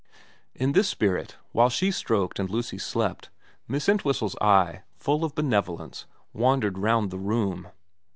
In this spirit, while she stroked and Lucy slept, Miss Entwhistle's eye, full of benevolence, wandered round the room.